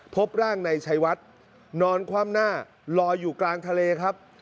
พบร่างในชัยวัดนอนคว่ำหน้าลอยอยู่กลางทะเลครับ